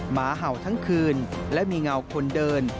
หมาเห่าทั้งคืนและมีเงาคนเดิน